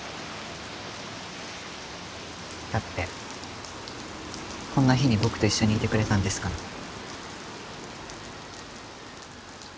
だってこんな日に僕と一緒にいてくれたんですから。